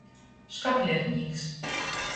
Škaplernīks.